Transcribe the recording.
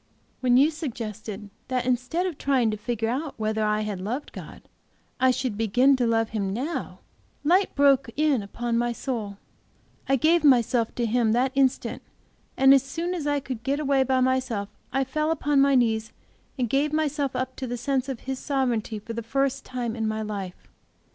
When you suggested that instead of trying to figure out whether I had loved God, I should begin to love Him now, light broke in upon my soul; I gave myself to Him that instant and as soon as I could get away by myself I fell upon my knees and gave myself up to the sense of His sovereignty for the first time in my life.